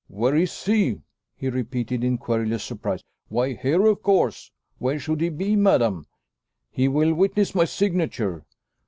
"Where is he?" he repeated in querulous surprise. "Why here, of course. Where should he be, madam? He will witness my signature."